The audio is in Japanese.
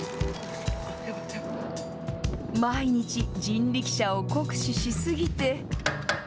毎日、人力車を酷使し過ぎて。